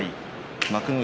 幕内